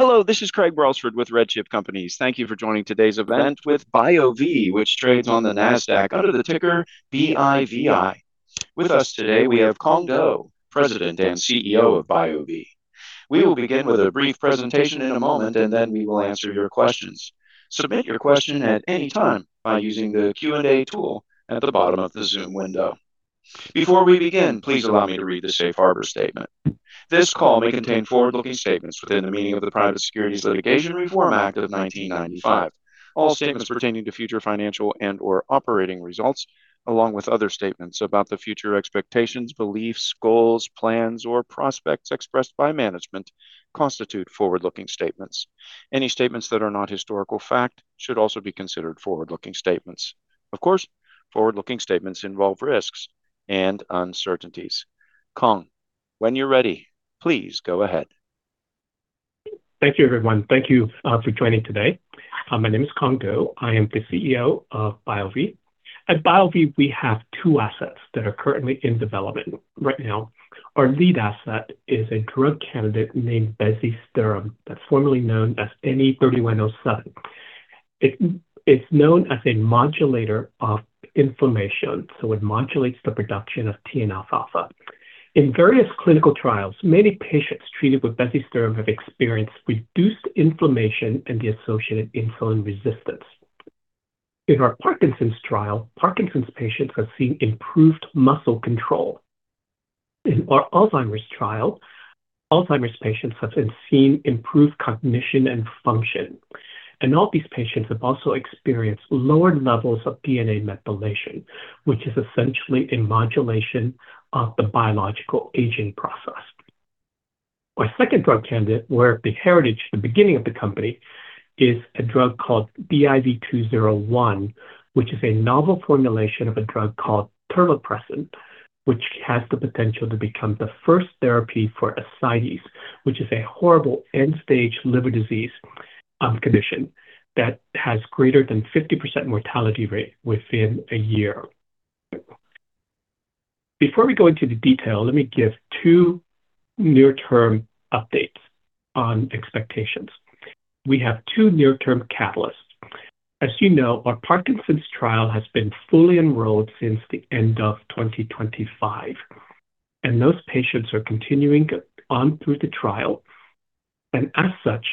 Hello, this is Craig Alford with RedChip Companies. Thank you for joining today's event with BioVie, which trades on the Nasdaq under the ticker BIVI. With us today we have Cuong Do, President and CEO of BioVie. We will begin with a brief presentation in a moment. Then we will answer your questions. Submit your question at any time by using the Q&A tool at the bottom of the Zoom window. Before we begin, please allow me to read the safe harbor statement. This call may contain forward-looking statements within the meaning of the Private Securities Litigation Reform Act of 1995. All statements pertaining to future financial and/or operating results, along with other statements about the future expectations, beliefs, goals, plans, or prospects expressed by management constitute forward-looking statements. Any statements that are not historical fact should also be considered forward-looking statements. Of course, forward-looking statements involve risks and uncertainties. Cuong, when you're ready, please go ahead. Thank you, everyone. Thank you, for joining today. My name is Cuong Do. I am the CEO of BioVie. At BioVie, we have two assets that are currently in development right now. Our lead asset is a drug candidate named Bezisterim, that's formerly known as NE3107. It's known as a modulator of inflammation, so it modulates the production of TNF-alpha. In various clinical trials, many patients treated with Bezisterim have experienced reduced inflammation and the associated insulin resistance. In our Parkinson's trial, Parkinson's patients have seen improved muscle control. In our Alzheimer's trial, Alzheimer's patients have been seeing improved cognition and function. All these patients have also experienced lowered levels of DNA methylation, which is essentially a modulation of the biological aging process. Our second drug candidate, where the heritage, the beginning of the company, is a drug called BIV201, which is a novel formulation of a drug called Terlipressin, which has the potential to become the first therapy for ascites, which is a horrible end-stage liver disease, condition that has greater than 50% mortality rate within a year. Before we go into the detail, let me give two near-term updates on expectations. We have two near-term catalysts. As you know, our Parkinson's trial has been fully enrolled since the end of 2025, those patients are continuing on through the trial. As such,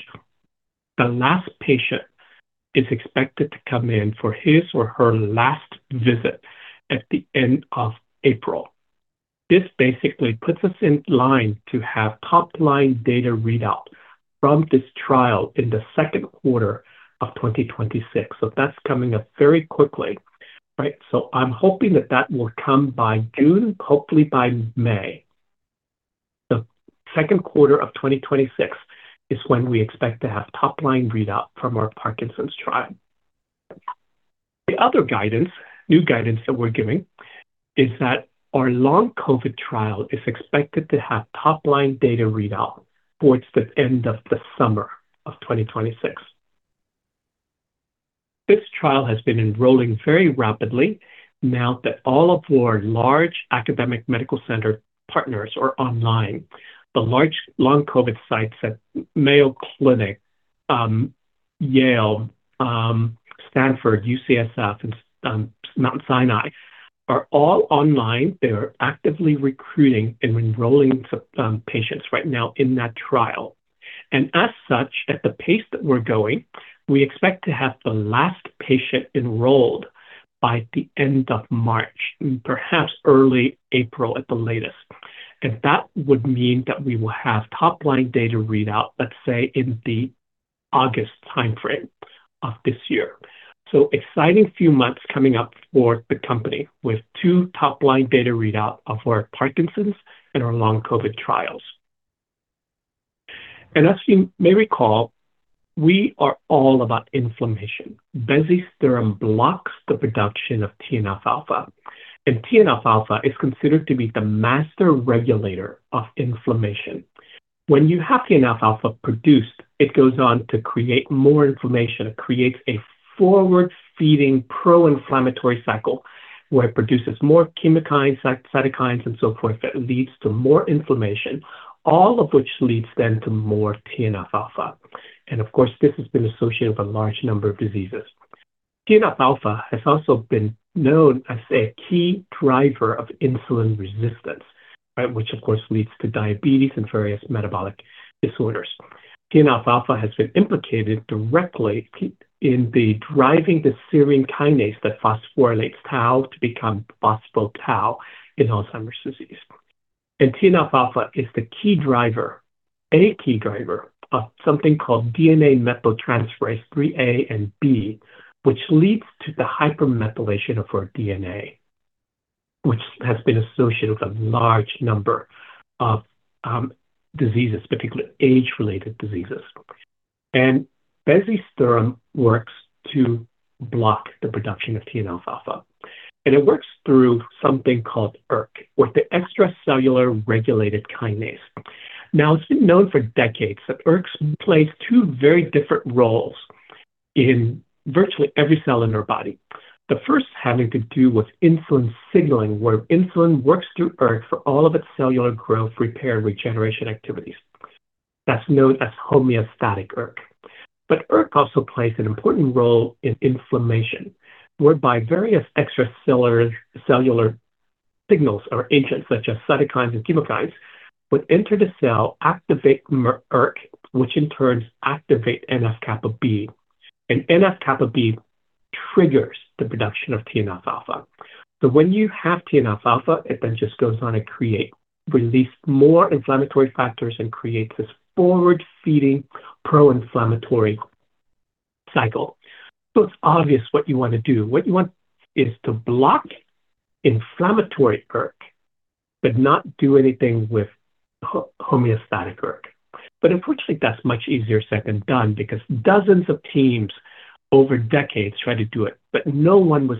the last patient is expected to come in for his or her last visit at the end of April. This basically puts us in line to have top-line data readout from this trial in the Q2 of 2026. That's coming up very quickly, right? I'm hoping that that will come by June, hopefully by May. The Q2 of 2026 is when we expect to have top-line readout from our Parkinson's trial. The other guidance, new guidance that we're giving is that our long COVID trial is expected to have top-line data readout towards the end of the summer of 2026. This trial has been enrolling very rapidly now that all of our large academic medical center partners are online. The large long COVID sites at Mayo Clinic, Yale, Stanford, UCSF, and Mount Sinai are all online. They are actively recruiting and enrolling some patients right now in that trial. As such, at the pace that we're going, we expect to have the last patient enrolled by the end of March, perhaps early April at the latest. That would mean that we will have top-line data readout, let's say, in the August timeframe of this year. Exciting few months coming up for the company with two top-line data readout of our Parkinson's and our long COVID trials. As you may recall, we are all about inflammation. Bezisterim blocks the production of TNF-alpha. TNF-alpha is considered to be the master regulator of inflammation. When you have TNF-alpha produced, it goes on to create more inflammation. It creates a forward-feeding pro-inflammatory cycle where it produces more chemokines, cytokines, and so forth that leads to more inflammation, all of which leads then to more TNF-alpha. Of course, this has been associated with a large number of diseases. TNF-alpha has also been known as a key driver of insulin resistance, right? Which of course leads to diabetes and various metabolic disorders. TNF-alpha has been implicated directly in the driving the serine kinase that phosphorylates tau to become phospho-tau in Alzheimer's disease. TNF-alpha is the key driver, a key driver of something called DNA methyltransferase 3A and 3B, which leads to the hypermethylation of our DNA, which has been associated with a large number of diseases, particularly age-related diseases. Bezisterim works to block the production of TNF-alpha, and it works through something called ERK with the Extracellular Signal-Regulated Kinase. Now, it's been known for decades that ERK plays two very different roles in virtually every cell in our body. The first having to do with insulin signaling, where insulin works through ERK for all of its cellular growth, repair, and regeneration activities. That's known as homeostatic ERK. ERK also plays an important role in inflammation, whereby various extracellular, cellular signals or agents such as cytokines and chemokines would enter the cell, activate m-ERK, which in turn activate NF-κB. NF-κB triggers the production of TNF-alpha. When you have TNF-alpha, it then just goes on to create, release more inflammatory factors and create this forward-feeding proinflammatory cycle. It's obvious what you want to do. What you want is to block inflammatory ERK, but not do anything with homeostatic ERK. Unfortunately, that's much easier said than done because dozens of teams over decades tried to do it, but no one was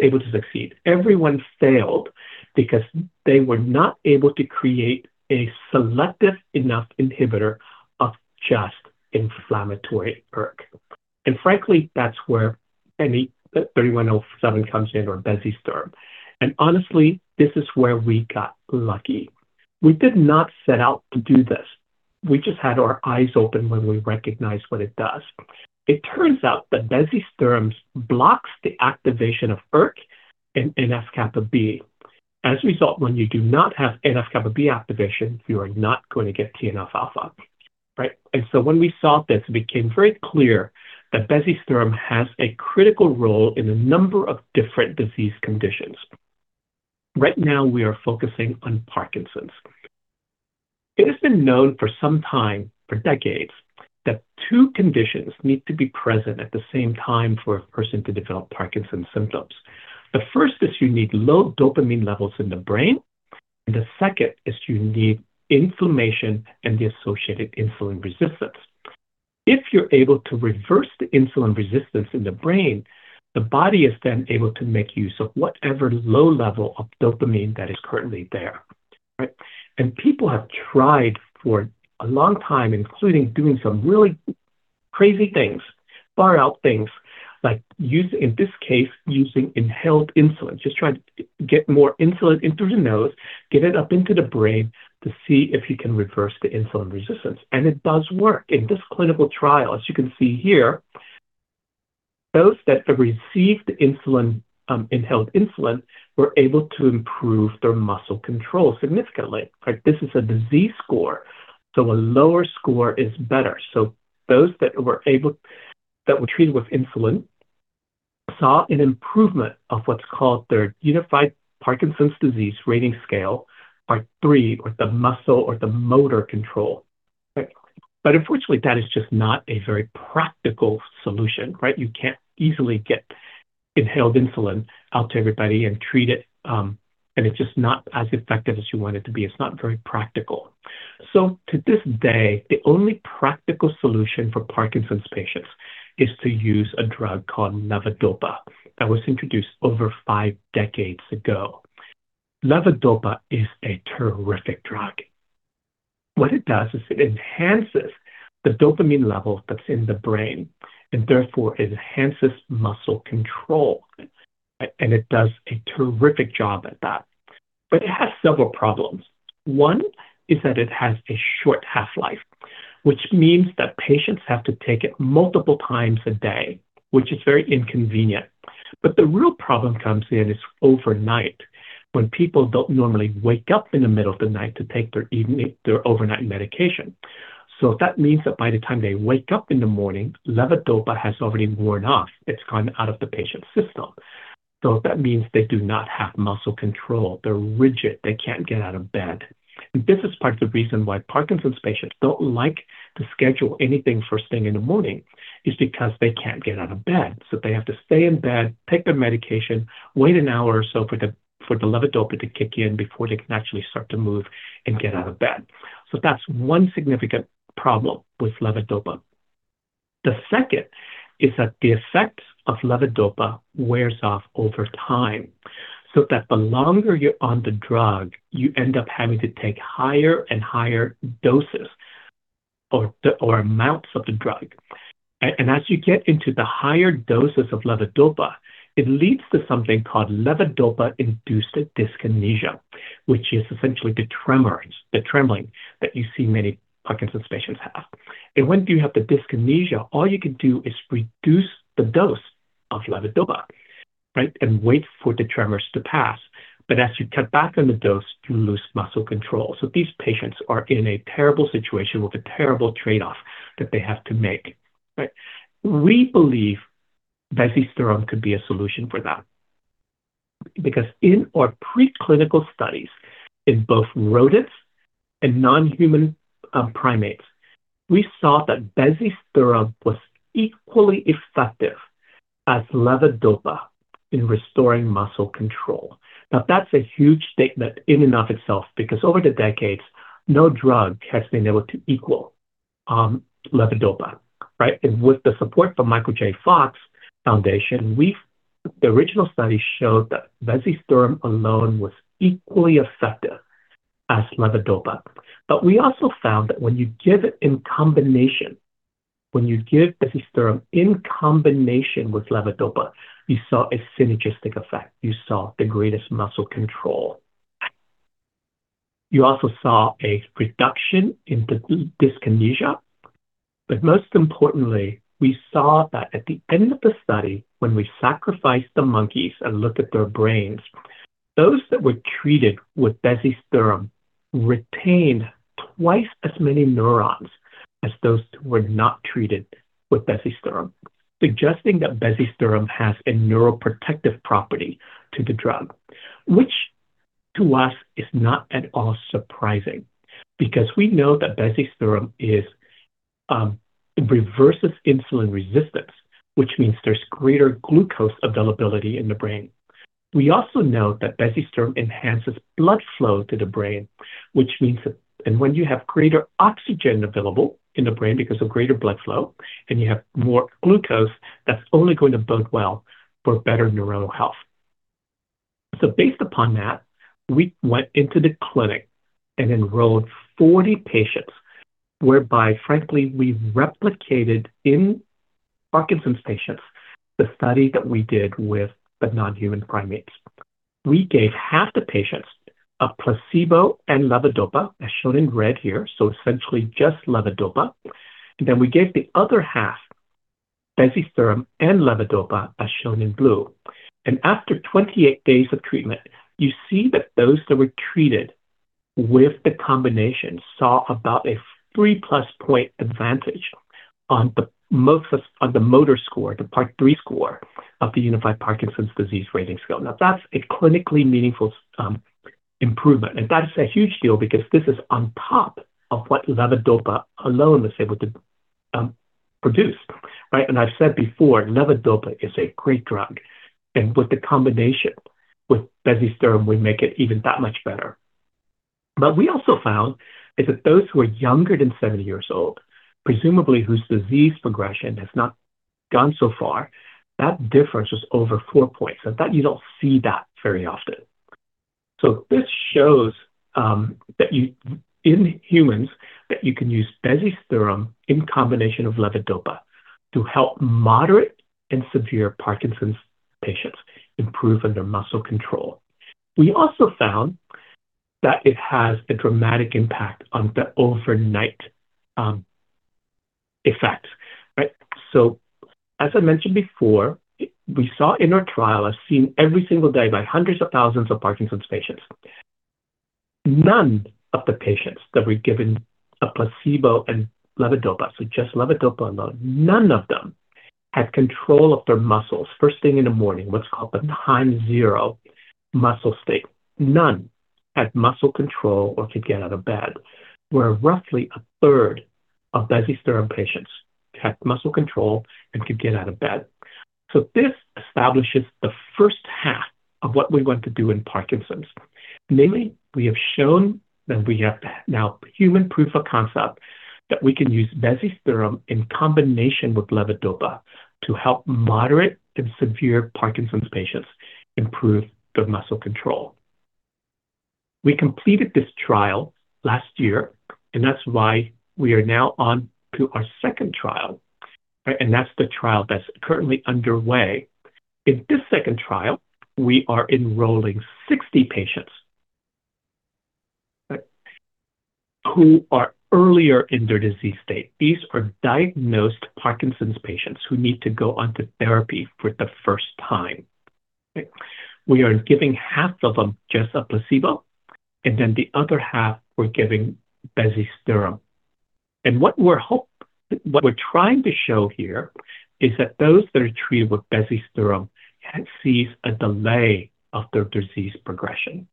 able to succeed. Everyone failed because they were not able to create a selective enough inhibitor of just inflammatory ERK. Frankly, that's where NE3107 comes in, or Bezisterim. Honestly, this is where we got lucky. We did not set out to do this. We just had our eyes open when we recognized what it does. It turns out that Bezisterim blocks the activation of ERK and NF-κB. As a result, when you do not have NF-κB activation, you are not going to get TNF-alpha. Right. When we saw this, it became very clear that Bezisterim has a critical role in a number of different disease conditions. Right now, we are focusing on Parkinson's. It has been known for some time, for decades, that two conditions need to be present at the same time for a person to develop Parkinson's symptoms. The first is you need low dopamine levels in the brain, and the second is you need inflammation and the associated insulin resistance. If you're able to reverse the insulin resistance in the brain, the body is then able to make use of whatever low level of dopamine that is currently there. Right? People have tried for a long time, including doing some really crazy things, far out things, like us-- in this case, using inhaled insulin, just trying to get more insulin in through the nose, get it up into the brain to see if you can reverse the insulin resistance. It does work. In this clinical trial, as you can see here, those that have received insulin, inhaled insulin were able to improve their muscle control significantly. Right. This is a disease score, so a lower score is better. Those that were treated with insulin saw an improvement of what's called their Unified Parkinson's Disease Rating Scale, part three or the muscle or the motor control. Right. Unfortunately, that is just not a very practical solution, right? You can't easily get inhaled insulin out to everybody and treat it, and it's just not as effective as you want it to be. It's not very practical. To this day, the only practical solution for Parkinson's patients is to use a drug called Levodopa that was introduced over five decades ago. Levodopa is a terrific drug. What it does is it enhances the dopamine level that's in the brain and therefore enhances muscle control. And it does a terrific job at that. It has several problems. One is that it has a short half-life, which means that patients have to take it multiple times a day, which is very inconvenient. The real problem comes in is overnight when people don't normally wake up in the middle of the night to take their evening, their overnight medication. That means that by the time they wake up in the morning, Levodopa has already worn off. It's gone out of the patient's system. That means they do not have muscle control. They're rigid. They can't get out of bed. This is part of the reason why Parkinson's patients don't like to schedule anything first thing in the morning, is because they can't get out of bed. They have to stay in bed, take their medication, wait an hour or so for the Levodopa to kick in before they can actually start to move and get out of bed. That's one significant problem with Levodopa. The second is that the effect of Levodopa wears off over time, so that the longer you're on the drug, you end up having to take higher and higher doses or amounts of the drug. As you get into the higher doses of Levodopa, it leads to something called Levodopa-induced dyskinesia, which is essentially the tremors, the trembling that you see many Parkinson's patients have. When you have the dyskinesia, all you can do is reduce the dose of Levodopa, right, and wait for the tremors to pass. As you cut back on the dose, you lose muscle control. These patients are in a terrible situation with a terrible trade-off that they have to make, right? We believe Bezisterim could be a solution for that. Because in our preclinical studies in both rodents and non-human primates, we saw that Bezisterim was equally effective as Levodopa in restoring muscle control. Now, that's a huge statement in and of itself because over the decades, no drug has been able to equal Levodopa, right? With the support from Michael J. Fox Foundation, the original study showed that Bezisterim alone was equally effective as Levodopa. We also found that when you give it in combination, when you give Bezisterim in combination with Levodopa, you saw a synergistic effect. You saw the greatest muscle control. You also saw a reduction in the dyskinesia. Most importantly, we saw that at the end of the study, when we sacrificed the monkeys and looked at their brains, those that were treated with Bezisterim retained twice as many neurons as those who were not treated with Bezisterim, suggesting that Bezisterim has a neuroprotective property to the drug, which to us is not at all surprising because we know that Bezisterim is, it reverses insulin resistance, which means there's greater glucose availability in the brain. We also know that Bezisterim enhances blood flow to the brain, which means that. When you have greater oxygen available in the brain because of greater blood flow and you have more glucose, that's only going to bode well for better neuronal health. Based upon that, we went into the clinic and enrolled 40 patients, whereby, frankly, we replicated in Parkinson's patients the study that we did with the non-human primates. We gave half the patients a placebo and Levodopa, as shown in red here, so essentially just Levodopa. Then we gave the other half Bezisterim and Levodopa, as shown in blue. After 28 days of treatment, you see that those that were treated with the combination saw about a 3-plus point advantage on the most, on the motor score, the part three score of the Unified Parkinson's Disease Rating Scale. That's a clinically meaningful improvement, and that is a huge deal because this is on top of what Levodopa alone is able to produce, right? I've said before, Levodopa is a great drug, and with the combination with Bezisterim, we make it even that much better. We also found is that those who are younger than 70 years old, presumably whose disease progression has not gone so far, that difference is over four points, and that you don't see that very often. This shows that you, in humans, that you can use Bezisterim in combination of Levodopa to help moderate and severe Parkinson's patients improve in their muscle control. We also found that it has a dramatic impact on the overnight effect, right? As I mentioned before, we saw in our trial, as seen every single day by hundreds of thousands of Parkinson's patients, none of the patients that were given a placebo and Levodopa, so just Levodopa alone, none of them had control of their muscles first thing in the morning, what's called the time zero muscle state. None had muscle control or could get out of bed, where roughly a third of Bezisterim patients had muscle control and could get out of bed. This establishes the first half of what we want to do in Parkinson's. Namely, we have shown that we have now human proof of concept that we can use Bezisterim in combination with Levodopa to help moderate and severe Parkinson's patients improve their muscle control. We completed this trial last year, and that's why we are now on to our second trial, right? That's the trial that's currently underway. In this second trial, we are enrolling 60 patients, right, who are earlier in their disease state. These are diagnosed Parkinson's patients who need to go onto therapy for the first time. We are giving half of them just a placebo, and then the other half we're giving Bezisterim. What we're trying to show here is that those that are treated with Bezisterim can see a delay of their disease progression.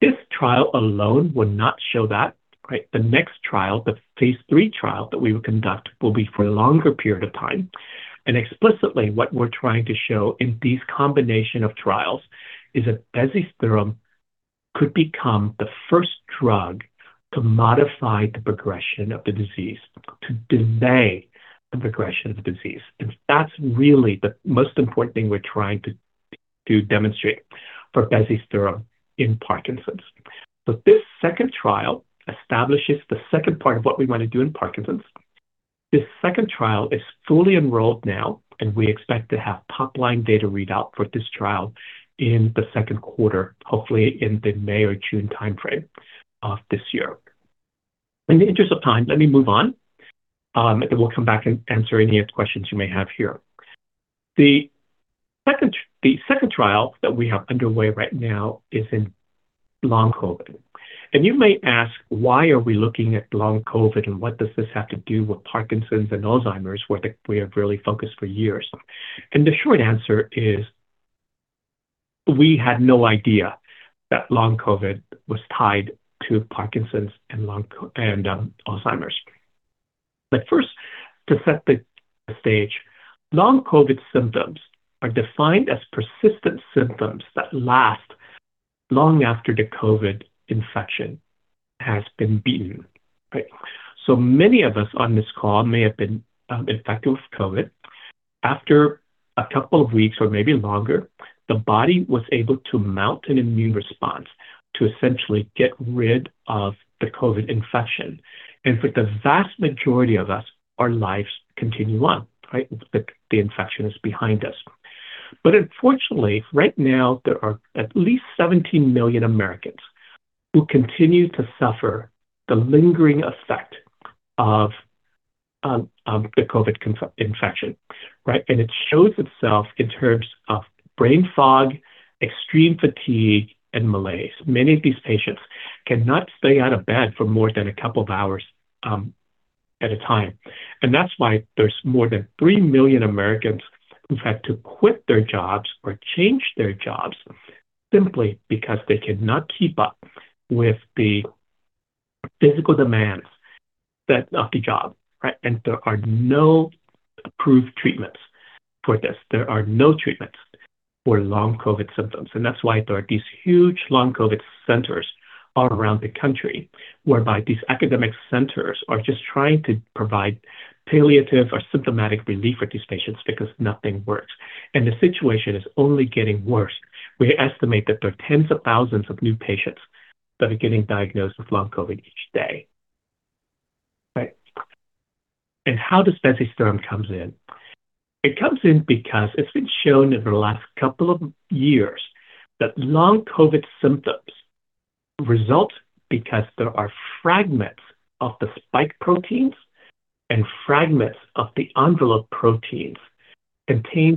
This trial alone would not show that, right? The next trial, the phase III trial that we will conduct, will be for a longer period of time. Explicitly, what we're trying to show in these combination of trials is that Bezisterim could become the first drug to modify the progression of the disease, to delay the progression of the disease. That's really the most important thing we're trying to demonstrate for Bezisterim in Parkinson's. This second trial establishes the second part of what we want to do in Parkinson's. This second trial is fully enrolled now, and we expect to have top-line data readout for this trial in the Q2, hopefully in the May or June timeframe of this year. In the interest of time, let me move on, and we'll come back and answer any questions you may have here. The second trial that we have underway right now is in long COVID. You may ask, why are we looking at long COVID, and what does this have to do with Parkinson's and Alzheimer's, where we have really focused for years? The short answer is we had no idea that long COVID was tied to Parkinson's and long COVID and Alzheimer's. First, to set the stage, long COVID symptoms are defined as persistent symptoms that last long after the COVID infection has been beaten, right? Many of us on this call may have been infected with COVID. After a couple of weeks or maybe longer, the body was able to mount an immune response to essentially get rid of the COVID infection. For the vast majority of us, our lives continue on, right? The infection is behind us. Unfortunately, right now, there are at least 17 million Americans who continue to suffer the lingering effect of the COVID infection, right? It shows itself in terms of brain fog, extreme fatigue, and malaise. Many of these patients cannot stay out of bed for more than a couple of hours at a time. That's why there's more than 3 million Americans who've had to quit their jobs or change their jobs simply because they cannot keep up with the physical demands of the job, right? There are no approved treatments for this. There are no treatments for long COVID symptoms. That's why there are these huge long COVID centers all around the country whereby these academic centers are just trying to provide palliative or symptomatic relief for these patients because nothing works. The situation is only getting worse. We estimate that there are tens of thousands of new patients that are getting diagnosed with long COVID each day. Right. How does Bezisterim comes in? It comes in because it's been shown over the last couple of years that long COVID symptoms result because there are fragments of the spike proteins and fragments of the envelope proteins continue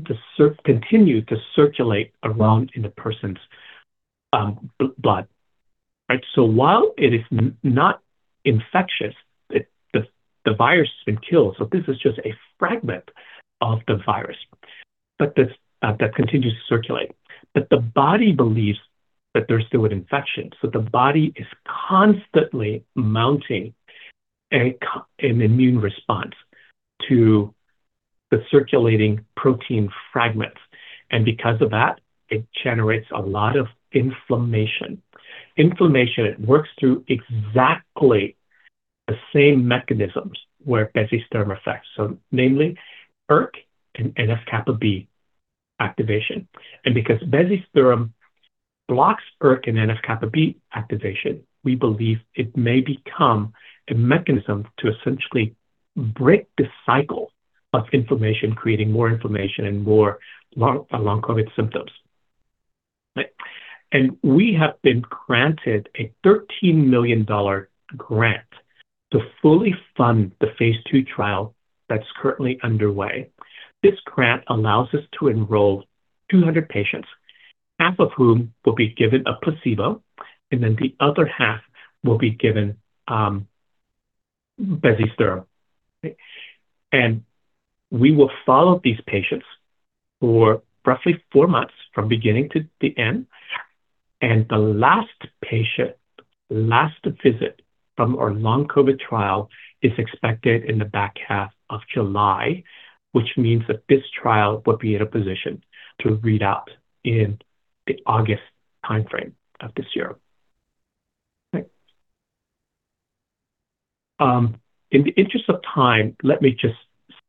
to circulate around in a person's blood, right? While it is not infectious, the virus has been killed, so this is just a fragment of the virus, but it's that continues to circulate. The body believes that there's still an infection, so the body is constantly mounting an immune response to the circulating protein fragments. Because of that, it generates a lot of inflammation. Inflammation works through exactly the same mechanisms where Bezisterim affects, so namely ERK and NF-κB activation. Because Bezisterim blocks ERK and NF-κB activation, we believe it may become a mechanism to essentially break the cycle of inflammation creating more inflammation and more long COVID symptoms. Right. We have been granted a $13 million grant to fully fund the phase II trial that's currently underway. This grant allows us to enroll 200 patients, half of whom will be given a placebo, and then the other half will be given Bezisterim. We will follow these patients for roughly four months from beginning to the end. The last patient, last visit from our long COVID trial is expected in the back half of July, which means that this trial will be in a position to read out in the August timeframe of this year. Right. In the interest of time, let me just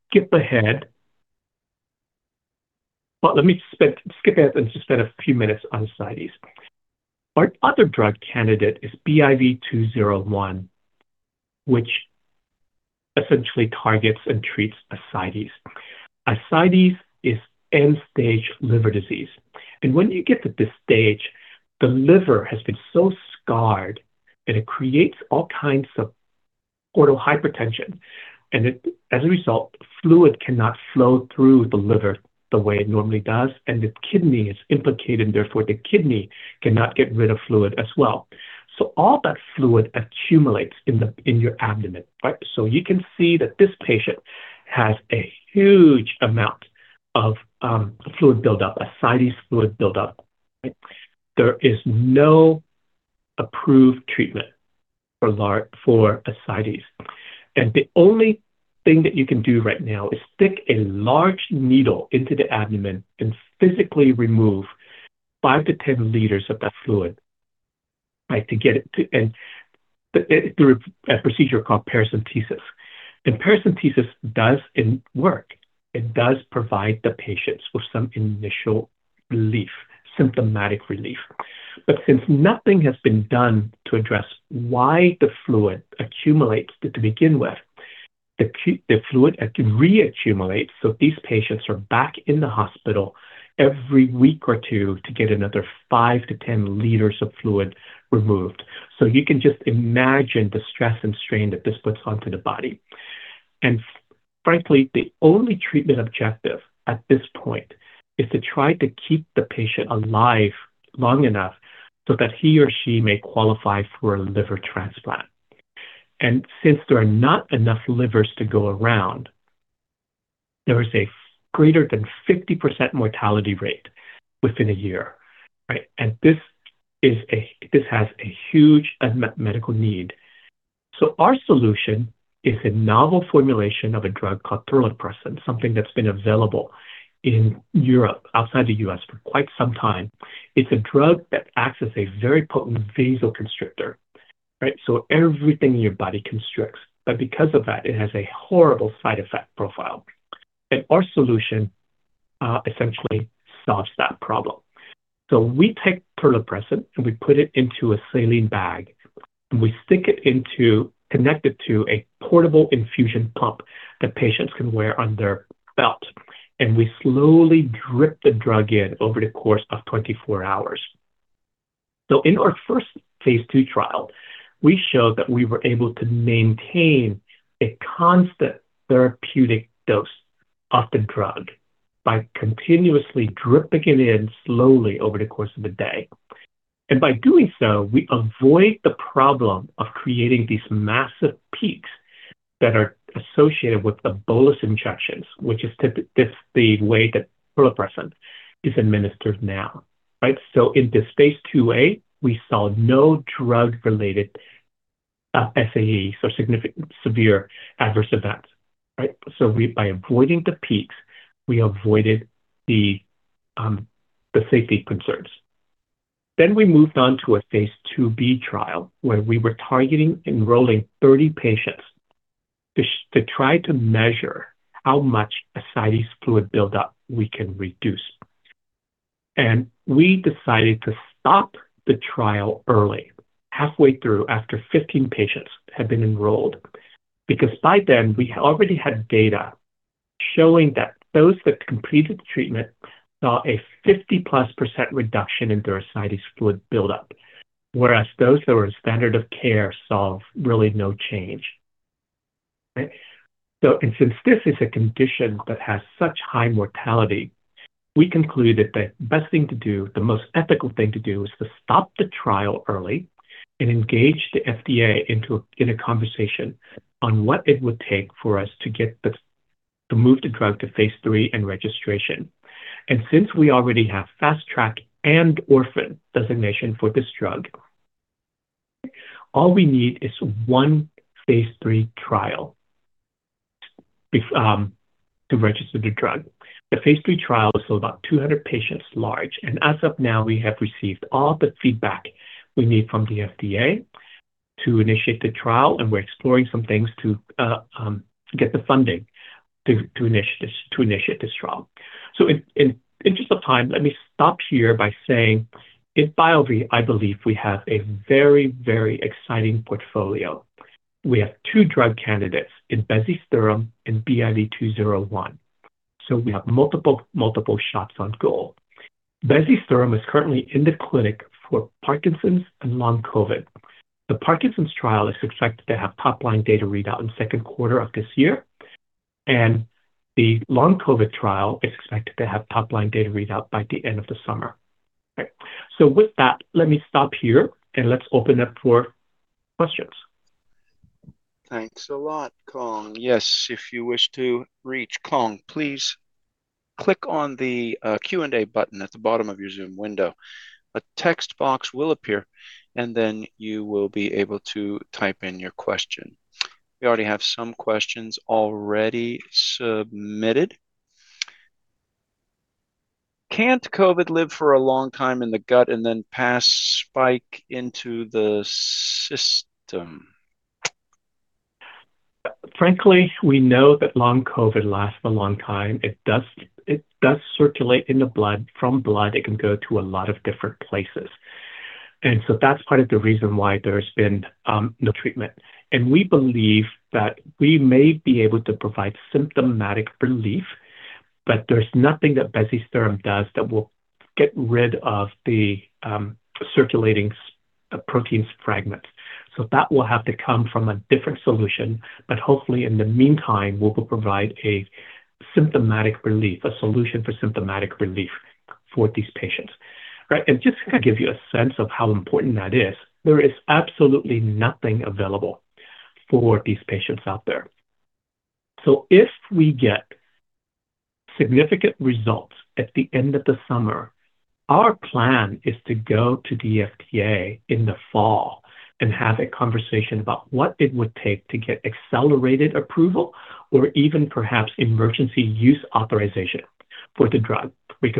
skip ahead. Well, let me skip ahead and just spend a few minutes on ascites. Our other drug candidate is BIV201, which essentially targets and treats ascites. Ascites is end-stage liver disease. When you get to this stage, the liver has been so scarred that it creates all kinds of portal hypertension. As a result, fluid cannot flow through the liver the way it normally does. The kidney is implicated. Therefore the kidney cannot get rid of fluid as well. All that fluid accumulates in your abdomen, right? You can see that this patient has a huge amount of fluid buildup, ascites fluid buildup. There is no approved treatment for ascites. The only thing that you can do right now is stick a large needle into the abdomen and physically remove 5 to 10 liters of that fluid, right, to get it to... through a procedure called paracentesis. Paracentesis does work. It does provide the patients with some initial relief, symptomatic relief. Since nothing has been done to address why the fluid accumulates to begin with, the fluid can reaccumulate, so these patients are back in the hospital every week or two to get another 5 to 10 liters of fluid removed. You can just imagine the stress and strain that this puts onto the body. Frankly, the only treatment objective at this point is to try to keep the patient alive long enough so that he or she may qualify for a liver transplant. Since there are not enough livers to go around, there is a greater than 50% mortality rate within a year, right? This has a huge medical need. Our solution is a novel formulation of a drug called Terlipressin, something that's been available in Europe, outside the U.S., for quite some time. It's a drug that acts as a very potent vasoconstrictor. Right? Everything in your body constricts. Because of that, it has a horrible side effect profile. Our solution essentially solves that problem. We take Terlipressin and we put it into a saline bag, and we connect it to a portable infusion pump that patients can wear on their belt, and we slowly drip the drug in over the course of 24 hours. In our first phase II trial, we showed that we were able to maintain a constant therapeutic dose of the drug by continuously dripping it in slowly over the course of a day. By doing so, we avoid the problem of creating these massive peaks that are associated with the bolus injections, which is this the way that Terlipressin is administered now, right? In this phase 2A, we saw no drug-related SAE, so significant severe adverse events, right? By avoiding the peaks, we avoided the safety concerns. We moved on to a phase 2B trial, where we were targeting enrolling 30 patients to try to measure how much ascites fluid buildup we can reduce. We decided to stop the trial early, halfway through, after 15 patients had been enrolled, because by then, we already had data showing that those that completed the treatment saw a 50+% reduction in their ascites fluid buildup, whereas those that were standard of care saw really no change. Right? Since this is a condition that has such high mortality, we concluded the best thing to do, the most ethical thing to do is to stop the trial early and engage the FDA into a conversation on what it would take for us to get to move the drug to phase three and registration. Since we already have fast track and orphan designation for this drug, all we need is one phase III trial to register the drug. The phase III trial is still about 200 patients large. As of now, we have received all the feedback we need from the FDA to initiate the trial. We're exploring some things to get the funding to initiate this trial. In interest of time, let me stop here by saying in BioVie, I believe we have a very, very exciting portfolio. We have two drug candidates in Bezisterim and BIV201. We have multiple shots on goal. Bezisterim is currently in the clinic for Parkinson's and long COVID. The Parkinson's trial is expected to have top-line data readout in Q2 of this year. The long COVID trial is expected to have top-line data readout by the end of the summer. Right. With that, let me stop here, and let's open up for questions. Thanks a lot, Cuong. Yes, if you wish to reach Cuong, please click on the Q&A button at the bottom of your Zoom window. A text box will appear, and then you will be able to type in your question. We already have some questions already submitted. Can't COVID live for a long time in the gut and then pass spike into the system? Frankly, we know that long COVID lasts for a long time. It does, it does circulate in the blood. From blood, it can go to a lot of different places. That's part of the reason why there's been no treatment. We believe that we may be able to provide symptomatic relief, but there's nothing that Bezisterim does that will get rid of the circulating the proteins fragments. That will have to come from a different solution. Hopefully, in the meantime, we'll provide a symptomatic relief, a solution for symptomatic relief for these patients, right? Just to give you a sense of how important that is, there is absolutely nothing available for these patients out there. If we get significant results at the end of the summer, our plan is to go to the FDA in the fall and have a conversation about what it would take to get accelerated approval or even perhaps emergency use authorization for the drug.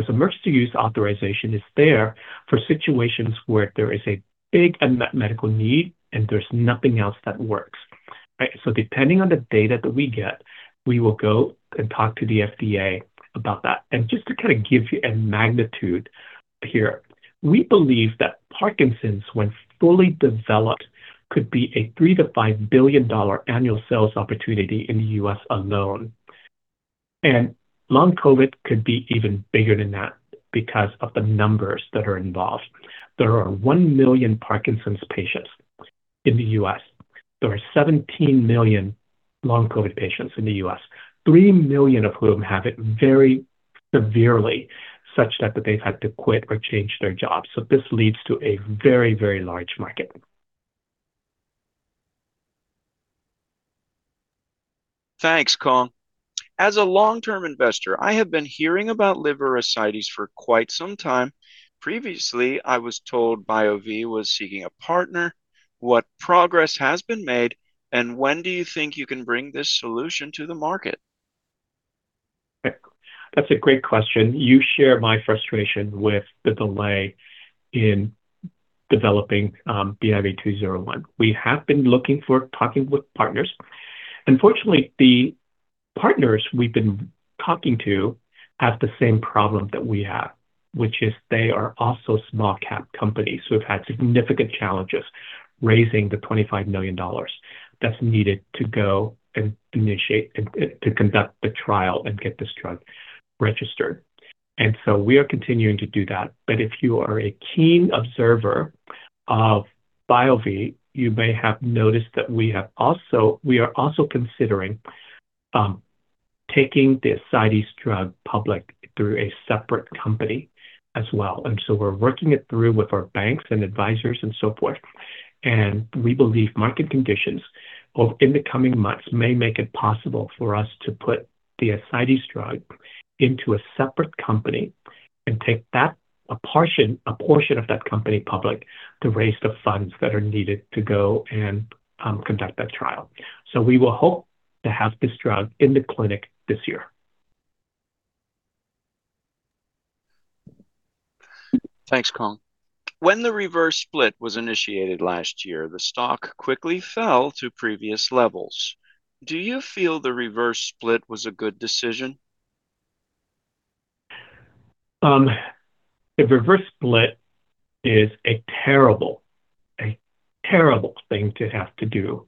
Emergency use authorization is there for situations where there is a big unmet medical need, and there's nothing else that works, right? Depending on the data that we get, we will go and talk to the FDA about that. Just to kind of give you a magnitude here, we believe that Parkinson's, when fully developed, could be a $3-$5 billion annual sales opportunity in the U.S. alone. Long COVID could be even bigger than that because of the numbers that are involved. There are one million Parkinson's patients in the U.S. There are 17 million long COVID patients in the U.S., one million of whom have it very severely, such that they've had to quit or change their jobs. This leads to a very, very large market. Thanks, Cuong. As a long-term investor, I have been hearing about liver ascites for quite some time. Previously, I was told BioVie was seeking a partner. What progress has been made, and when do you think you can bring this solution to the market? That's a great question. You share my frustration with the delay in developing BIV201. We have been looking for talking with partners. Unfortunately, the partners we've been talking to have the same problem that we have, which is they are also small cap companies who have had significant challenges raising $25 million that's needed to go and to conduct the trial and get this drug registered. We are continuing to do that. If you are a keen observer of BioVie, you may have noticed that we are also considering taking the ascites drug public through a separate company as well. We're working it through with our banks and advisors and so forth, and we believe market conditions over in the coming months may make it possible for us to put the ascites drug into a separate company and take that a portion of that company public to raise the funds that are needed to go and conduct that trial. We will hope to have this drug in the clinic this year. Thanks, Cuong. When the reverse split was initiated last year, the stock quickly fell to previous levels. Do you feel the reverse split was a good decision? The reverse split is a terrible thing to have to do,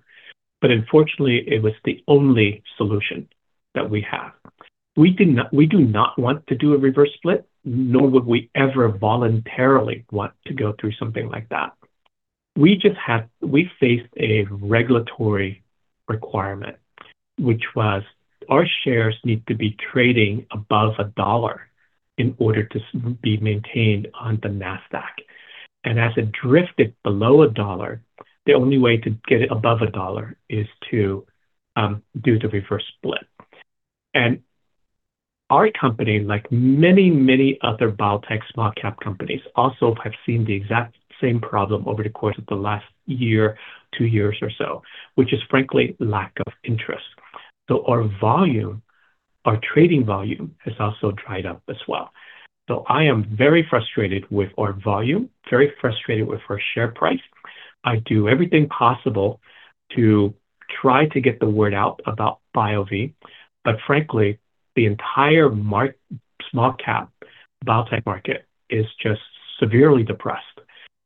unfortunately it was the only solution that we have. We do not want to do a reverse split, nor would we ever voluntarily want to go through something like that. We faced a regulatory requirement, which was our shares need to be trading above $1 in order to be maintained on the NASDAQ. As it drifted below $1, the only way to get it above $1 is to do the reverse split. Our company, like many other biotech small cap companies also have seen the exact same problem over the course of the last 1 year, 2 years or so, which is frankly lack of interest. Our volume, our trading volume has also dried up as well. I am very frustrated with our volume, very frustrated with our share price. I do everything possible to try to get the word out about BioVie, frankly, the entire small cap biotech market is just severely depressed.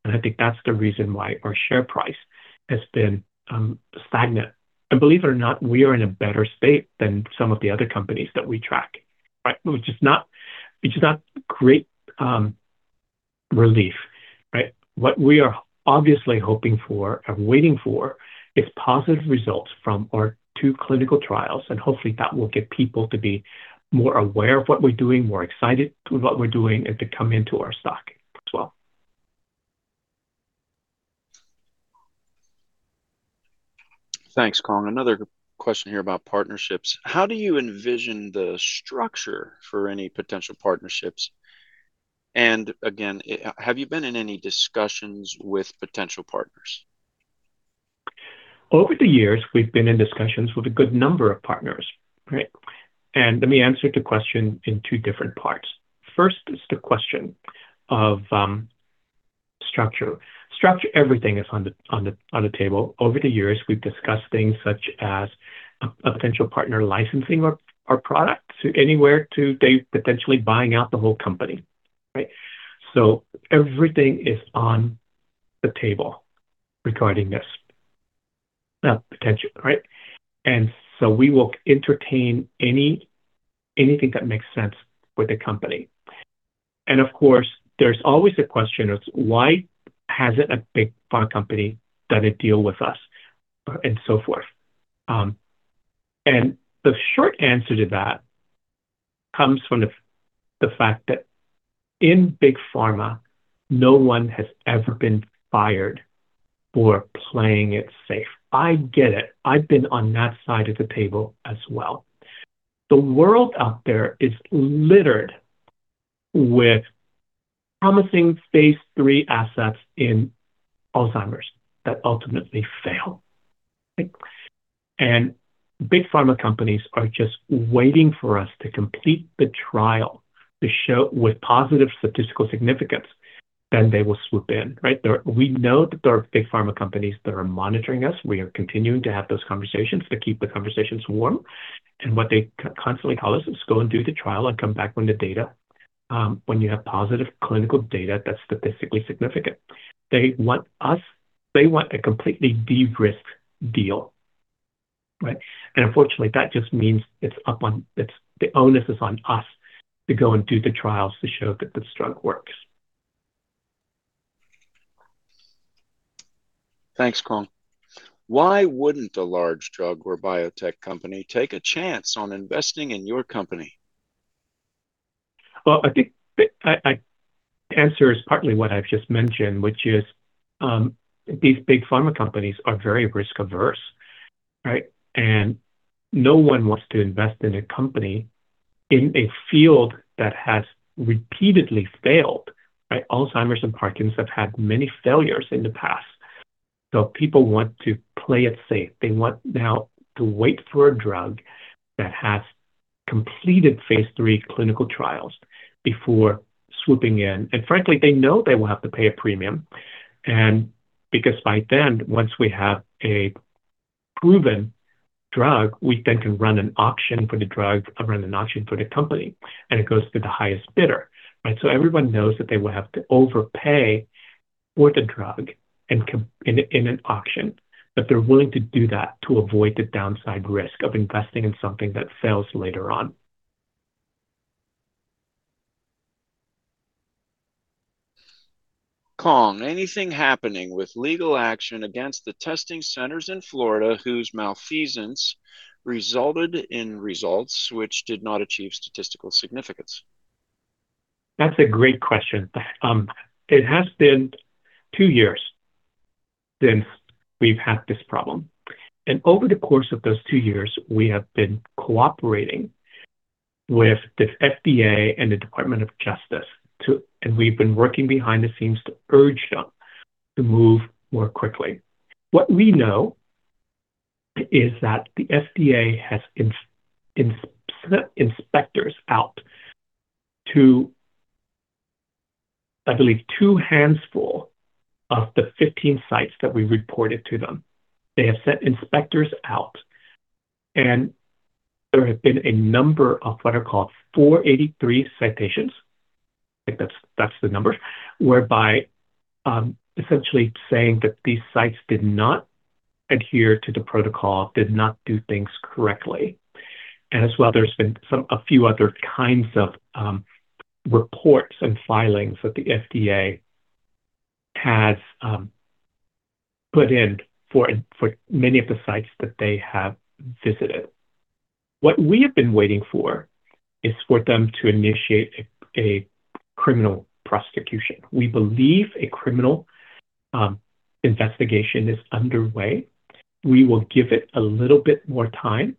I think that's the reason why our share price has been stagnant. Believe it or not, we are in a better state than some of the other companies that we track, right? Which is not great relief, right? What we are obviously hoping for and waiting for is positive results from our two clinical trials, hopefully that will get people to be more aware of what we're doing, more excited with what we're doing, and to come into our stock as well. Thanks, Cuong Do. Another question here about partnerships. How do you envision the structure for any potential partnerships? Again, have you been in any discussions with potential partners? Over the years, we've been in discussions with a good number of partners, right? Let me answer the question in two different parts. First is the question of structure. Structure, everything is on the table. Over the years, we've discussed things such as a potential partner licensing our product to anywhere to they potentially buying out the whole company, right? Everything is on the table regarding this potential, right? We will entertain anything that makes sense for the company. Of course, there's always a question of why hasn't a big pharma company done a deal with us and so forth. The short answer to that comes from the fact that in big pharma, no one has ever been fired for playing it safe. I get it. I've been on that side of the table as well. The world out there is littered with promising phase III assets in Alzheimer's that ultimately fail. Big pharma companies are just waiting for us to complete the trial to show with positive statistical significance, then they will swoop in, right? We know that there are big pharma companies that are monitoring us. We are continuing to have those conversations to keep the conversations warm. What they constantly tell us is go and do the trial and come back when the data, when you have positive clinical data that's statistically significant. They want a completely de-risked deal, right? Unfortunately, that just means it's the onus is on us to go and do the trials to show that this drug works. Thanks, Cuong. Why wouldn't a large drug or biotech company take a chance on investing in your company? Well, I think the answer is partly what I've just mentioned, which is, these big pharma companies are very risk-averse, right? No one wants to invest in a company in a field that has repeatedly failed, right? Alzheimer's and Parkinson's have had many failures in the past. People want to play it safe. They want now to wait for a drug that has completed phase III clinical trials before swooping in. Frankly, they know they will have to pay a premium and because by then, once we have a proven drug, we then can run an auction for the drug or run an auction for the company, and it goes to the highest bidder, right? Everyone knows that they will have to overpay for the drug in an auction, but they're willing to do that to avoid the downside risk of investing in something that fails later on. Cuong, anything happening with legal action against the testing centers in Florida whose malfeasance resulted in results which did not achieve statistical significance? That's a great question. It has been two years since we've had this problem, and over the course of those two years, we have been cooperating with the FDA and the Department of Justice. We've been working behind the scenes to urge them to move more quickly. What we know is that the FDA has inspectors out to, I believe, two handfuls of the 15 sites that we reported to them. They have sent inspectors out, and there have been a number of what are called Form 483 citations. I think that's the numbers, whereby, essentially saying that these sites did not adhere to the protocol, did not do things correctly. As well, there's been a few other kinds of reports and filings that the FDA has put in for many of the sites that they have visited. What we have been waiting for is for them to initiate a criminal prosecution. We believe a criminal investigation is underway. We will give it a little bit more time,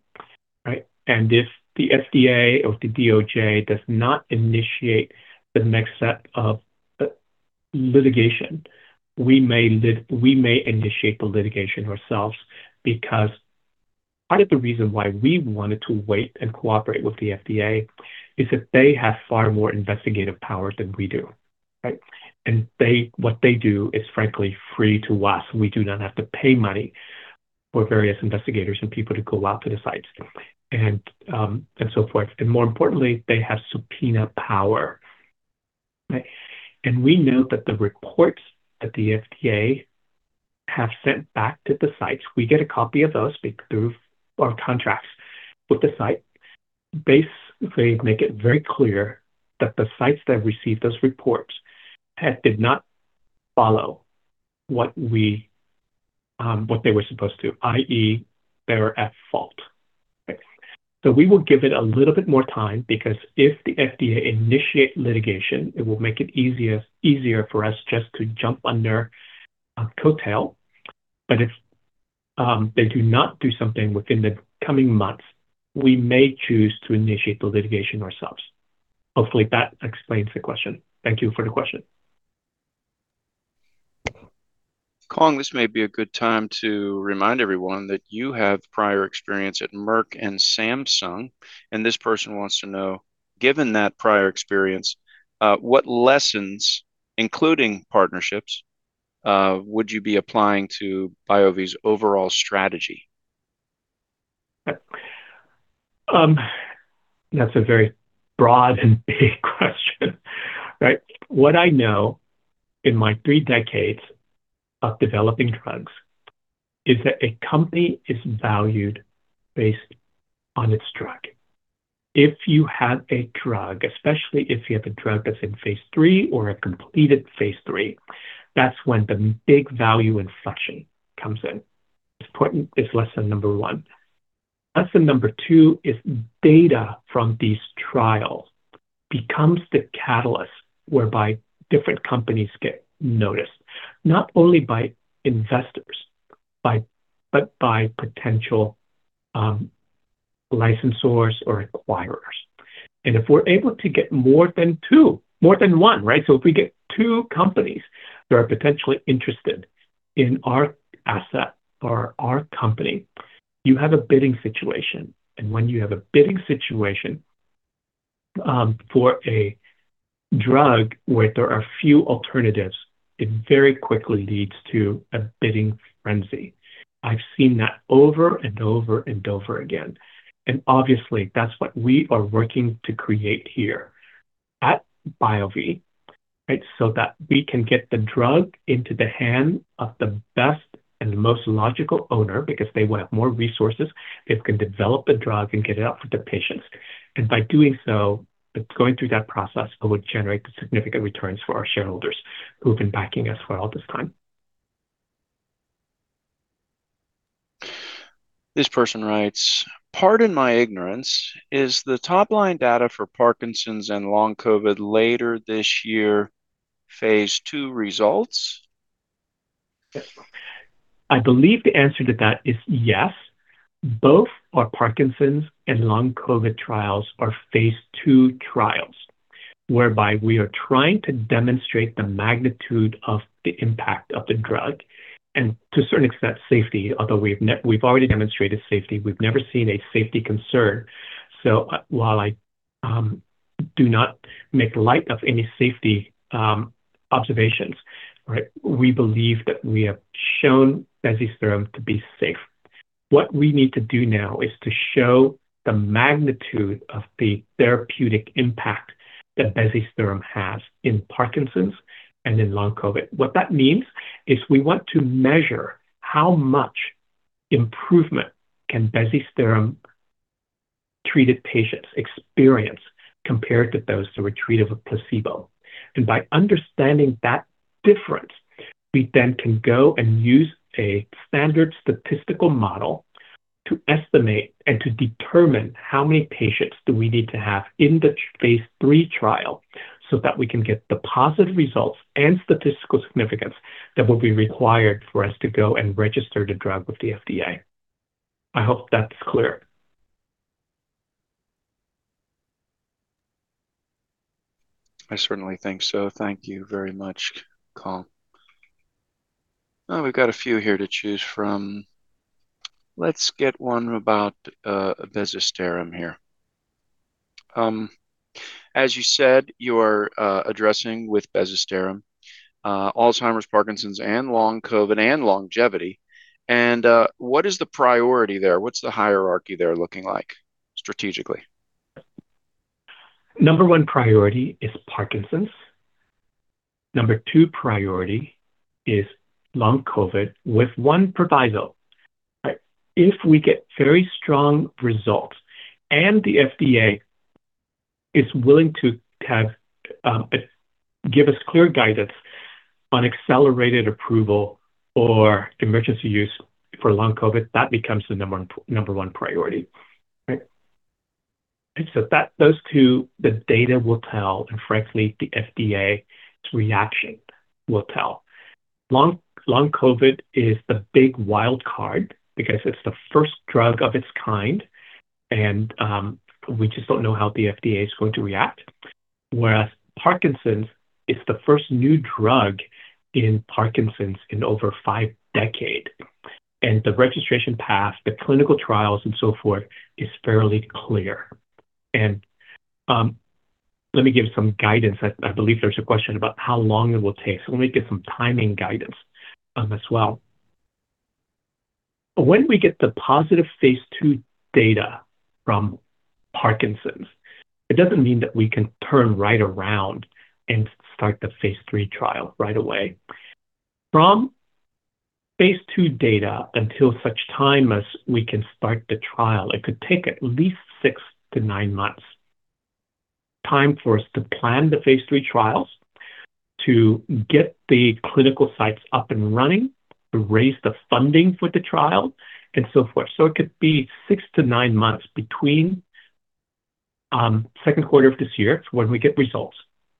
right? If the FDA or the DOJ does not initiate the next set of litigation, we may initiate the litigation ourselves because part of the reason why we wanted to wait and cooperate with the FDA is that they have far more investigative power than we do, right? They what they do is frankly free to us. We do not have to pay money for various investigators and people to go out to the sites and so forth. More importantly, they have subpoena power, right? We know that the reports that the FDA have sent back to the sites, we get a copy of those through our contracts with the site. Basically, make it very clear that the sites that receive those reports did not follow what we, what they were supposed to, i.e., they were at fault. We will give it a little bit more time because if the FDA initiate litigation, it will make it easier for us just to jump under a coattail. If they do not do something within the coming months, we may choose to initiate the litigation ourselves. Hopefully, that explains the question. Thank you for the question. Cuong, this may be a good time to remind everyone that you have prior experience at Merck and Samsung. This person wants to know, given that prior experience, what lessons, including partnerships, would you be applying to BioVie's overall strategy? That's a very broad and big question, right? What I know in my three decades of developing drugs is that a company is valued based on its drug. If you have a drug, especially if you have a drug that's in phase III or a completed phase III, that's when the big value inflation comes in. It's important. It's lesson number one. Lesson number two is data from these trials becomes the catalyst whereby different companies get noticed, not only by investors but by potential licensors or acquirers. If we're able to get more than two, more than one, right? If we get two companies that are potentially interested in our asset or our company, you have a bidding situation. When you have a bidding situation for a drug where there are few alternatives, it very quickly leads to a bidding frenzy. I've seen that over and over and over again, obviously, that's what we are working to create here at BioVie, right? That we can get the drug into the hand of the best and most logical owner because they will have more resources. They can develop the drug and get it out for the patients. By doing so, going through that process would generate significant returns for our shareholders who've been backing us for all this time. This person writes, "Pardon my ignorance. Is the top-line data for Parkinson's and long COVID later this year phase II results? I believe the answer to that is yes. Both our Parkinson's and long COVID trials are phase II trials. Whereby we are trying to demonstrate the magnitude of the impact of the drug and to a certain extent safety, although we've already demonstrated safety. We've never seen a safety concern. While I do not make light of any safety observations, right. We believe that we have shown Bezisterim to be safe. What we need to do now is to show the magnitude of the therapeutic impact that Bezisterim has in Parkinson's and in long COVID. What that means is we want to measure how much improvement can Bezisterim-treated patients experience compared to those who were treated with placebo. By understanding that difference, we then can go and use a standard statistical model to estimate and to determine how many patients do we need to have in the phase III trial so that we can get the positive results and statistical significance that will be required for us to go and register the drug with the FDA. I hope that's clear. I certainly think so. Thank you very much, Cuong. We've got a few here to choose from. Let's get one about, Bezisterim here. As you said, you are, addressing with Bezisterim, Alzheimer's, Parkinson's, and long COVID, and longevity. What is the priority there? What's the hierarchy there looking like strategically? Number one priority is Parkinson's. Number two priority is long COVID with one proviso. If we get very strong results and the FDA is willing to have give us clear guidance on Accelerated Approval or emergency use for long COVID, that becomes the number one priority, right? Those two, the data will tell, and frankly, the FDA's reaction will tell. Long COVID is the big wild card because it's the first drug of its kind, and we just don't know how the FDA is going to react. Whereas Parkinson's is the first new drug in Parkinson's in over five decade. The registration path, the clinical trials, and so forth is fairly clear. Let me give some guidance. I believe there's a question about how long it will take, so let me give some timing guidance as well. When we get the positive phase II data from Parkinson's, it doesn't mean that we can turn right around and start the phase III trial right away. From phase II data until such time as we can start the trial, it could take at least six to nine months, time for us to plan the phase III trials, to get the clinical sites up and running, to raise the funding for the trial, and so forth. It could be six to nine months between Q2 of this year when we get results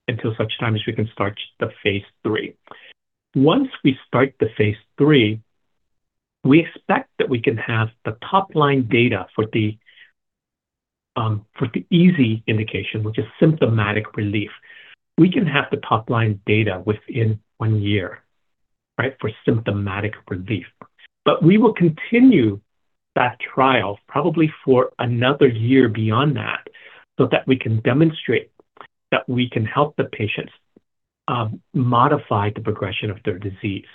until such time as we can start the phase 3. Once we start the phase III, we expect that we can have the top-line data for the for the easy indication, which is symptomatic relief. We can have the top-line data within one year, right, for symptomatic relief. We will continue that trial probably for another year beyond that, so that we can demonstrate that we can help the patients, modify the progression of their disease,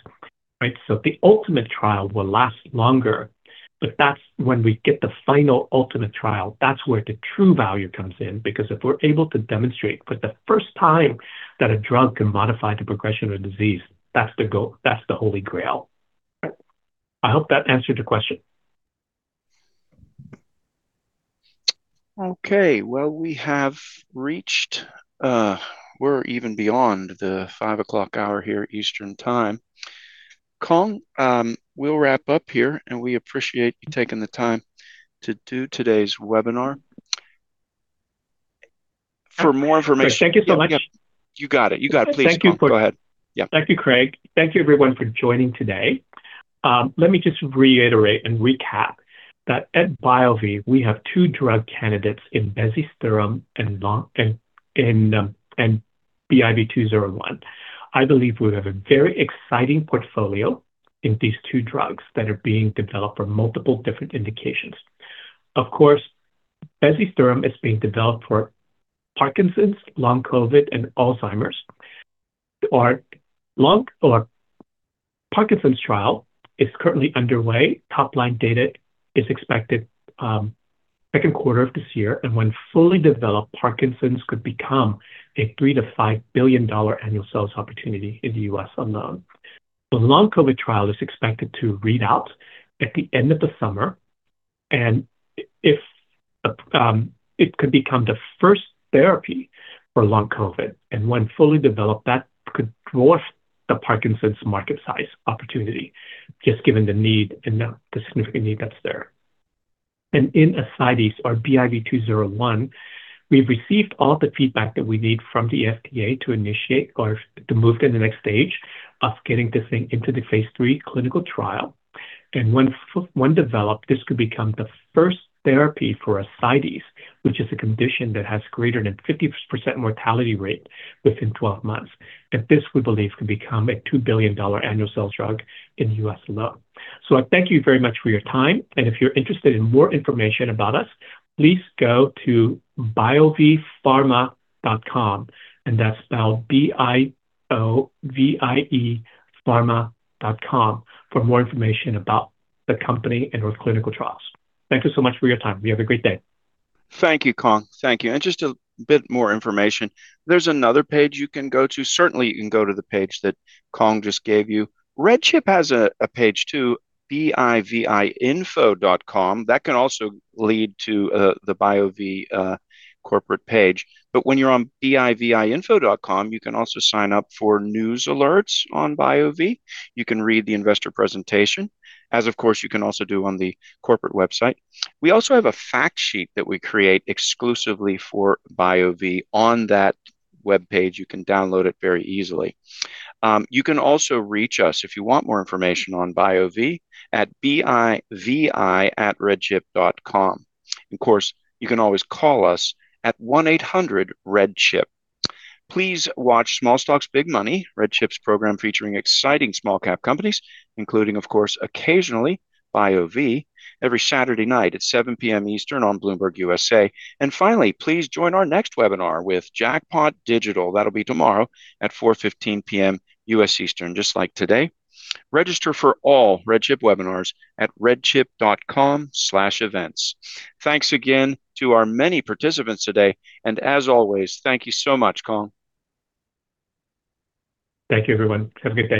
right? The ultimate trial will last longer, but that's when we get the final ultimate trial. That's where the true value comes in because if we're able to demonstrate for the first time that a drug can modify the progression of disease, that's the holy grail. I hope that answered your question. Okay. Well, we have reached, we're even beyond the 5 o'clock hour here, Eastern Time. Cuong, we'll wrap up here. We appreciate you taking the time to do today's webinar. For more information. Thank you so much. You got it. You got it. Please, Cuong Do, go ahead. Yeah. Thank you, Craig. Thank you, everyone, for joining today. Let me just reiterate and recap that at BioVie, we have two drug candidates in Bezisterim and BIV201. I believe we have a very exciting portfolio in these two drugs that are being developed for multiple different indications. Of course, Bezisterim is being developed for Parkinson's, long COVID, and Alzheimer's. Our Parkinson's trial is currently underway. Top-line data is expected, Q2 of this year. When fully developed, Parkinson's could become a $3-$5 billion annual sales opportunity in the U.S. alone. The long COVID trial is expected to read out at the end of the summer. If it could become the first therapy for long COVID, when fully developed, that could dwarf the Parkinson's market size opportunity just given the need and the significant need that's there. In aside is our BIV201, we've received all the feedback that we need from the FDA to initiate or to move to the next stage of getting this thing into the phase III clinical trial. When developed, this could become the first therapy for ascites, which is a condition that has greater than 50% mortality rate within 12 months. This, we believe, could become a $2 billion annual sales drug in the U.S. alone. I thank you very much for your time. If you're interested in more information about us, please go to bioviepharma.com, and that's spelled B-I-O-V-I-E pharma.com for more information about the company and with clinical trials. Thank you so much for your time. You have a great day. Thank you, Cuong. Thank you. Just a bit more information. There's another page you can go to. Certainly, you can go to the page that Cuong just gave you. RedChip has a page too, bivinfo.com. That can also lead to the BioVie corporate page. When you're on bivinfo.com, you can also sign up for news alerts on BioVie. You can read the investor presentation, as of course you can also do on the corporate website. We also have a fact sheet that we create exclusively for BioVie on that webpage. You can download it very easily. You can also reach us if you want more information on BioVie at BIVI@redchip.com. Of course, you can always call us at 1-800 RedChip. Please watch Small Stocks, Big Money, RedChip's program featuring exciting small cap companies, including, of course, occasionally BioVie, every Saturday night at 7:00PM. Eastern on Bloomberg U.S.A. Finally, please join our next webinar with Jackpot Digital. That'll be tomorrow at 4:15PM U.S. Eastern, just like today. Register for all RedChip webinars at redchip.com/events. Thanks again to our many participants today. As always, thank you so much, Cuong. Thank you everyone. Have a great day.